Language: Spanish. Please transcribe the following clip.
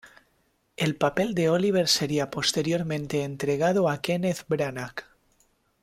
El papel de Olivier sería posteriormente entregado a Kenneth Branagh.